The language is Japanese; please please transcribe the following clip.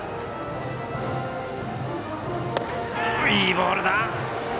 いいボールだ！